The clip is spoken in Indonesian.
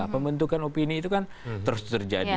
pembentukan opini itu kan terus terjadi